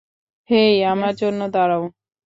হেই, আমার জন্য দাঁড়াও।